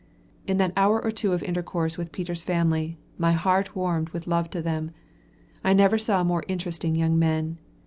In that hour or two of intercourse with Peter's family, my heart warmed with love to them. I never saw more interesting young men.